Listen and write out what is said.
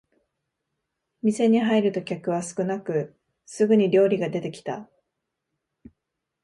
店に入ると客は少なくすぐに料理が出てきた